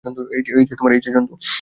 এই যে, জন্তু।